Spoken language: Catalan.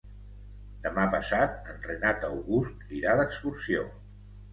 Demà passat en Renat August irà d'excursió.